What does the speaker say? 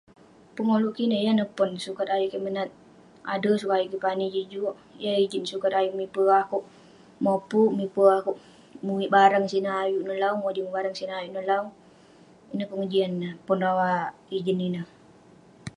Pengoluk kik ineh yan neh pon, sukat ayuk kik menat ade, sukat ayuk kik pani jin juk..yah ijin, sukat ayuk mipe akouk, mopuk, mipe akouk muwik barang sineh ayuk neh lawu..mojeng sineh sineh ayuk neh lawu..ineh pengejian neh, pon rawah ijin ineh..